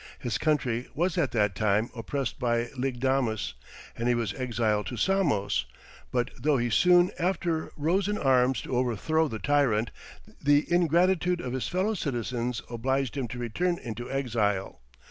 His country was at that time oppressed by Lygdamis, and he was exiled to Samos; but though he soon after rose in arms to overthrow the tyrant, the ingratitude of his fellow citizens obliged him to return into exile.